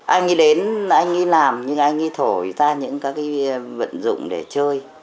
anh ấy đến anh ấy làm nhưng anh ấy thổi ra những các cái vận dụng để chơi